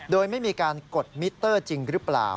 โดยไม่มีการกดมิเตอร์จริงหรือเปล่า